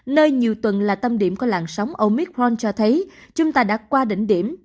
nơi nhiều tuần là tâm điểm của làn sóng omitron cho thấy chúng ta đã qua đỉnh điểm